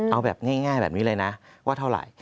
เอาแบบง่ายแบบนี้เลยนะว่าเท่าไหร่